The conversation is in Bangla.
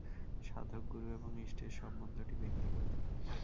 সাধক, গুরু এবং ইষ্টের সম্বন্ধটি ব্যক্তিগত।